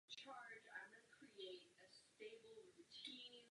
Julia se narodila a vyrůstala v Římě.